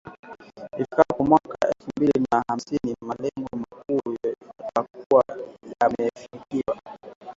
Ifikapo mwaka elfu mbili na hamsini, malengo makuu yatakua yamefikiwa.